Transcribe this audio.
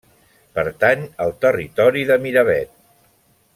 Pertany al territori de Miravet.